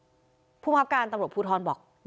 เพราะว่าพ่อมีสองอารมณ์ความรู้สึกดีใจที่เจอพ่อแล้ว